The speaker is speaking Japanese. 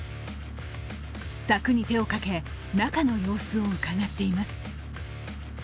柵に手をかけ、中の様子をうかがっています。